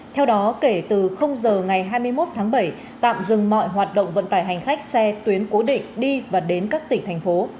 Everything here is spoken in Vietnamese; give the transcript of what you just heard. theo đó kể từ giờ ngày hai mươi một tháng bảy tạm dừng mọi hoạt động vận tải hành khách xe tuyến cố định đi và đến các tỉnh thành phố